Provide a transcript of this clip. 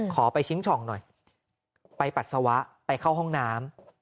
ขอไปชิงช่องหน่อยไปปัสสาวะไปเข้าห้องน้ำ